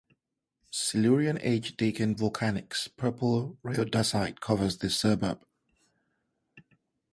Silurian age Deakin Volcanics purple rhyodacite covers the suburb.